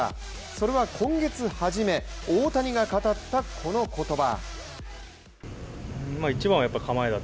それは今月初め、大谷が語ったこの言葉。